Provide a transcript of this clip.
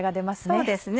そうですね。